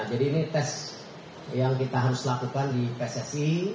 jadi ini tes yang kita harus lakukan di pssi